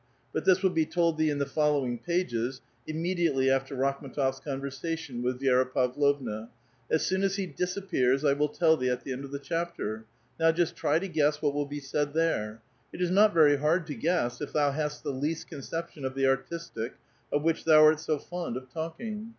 But this will be told thee in the following pages, immediately after Rakhm^ tof s conversation with Vi^ra Pavlovna. As soon as he disappears, I will tell thee at tlie end of the chapter. Now just try to guess what will bo said there ; it is not very hard to gness if thou hast the least conception of the aitistic, of which thou art so fond of talking.